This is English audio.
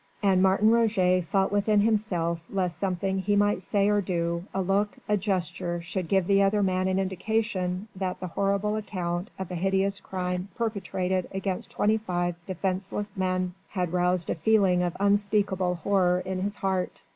And Martin Roget fought within himself lest something he might say or do, a look, a gesture should give the other man an indication that the horrible account of a hideous crime perpetrated against twenty five defenceless men had roused a feeling of unspeakable horror in his heart.